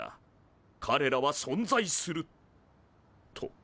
かれらは存在すると。